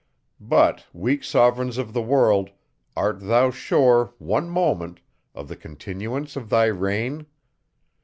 But, weak sovereign of the world; art thou sure, one moment, of the continuance of thy reign?